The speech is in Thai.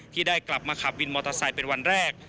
ที่ได้กลับมาขับวินมอเตอร์ไซค์เป็นวันแรก